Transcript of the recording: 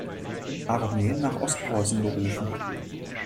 Armee nach Ostpreußen berufen.